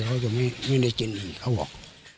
เขาจะไม่ได้กินเขาบอก